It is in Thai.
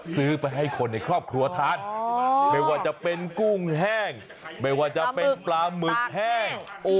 ซื้อไปให้คนในครอบครัวทานไม่ว่าจะเป็นกุ้งแห้งไม่ว่าจะเป็นปลาหมึกแห้ง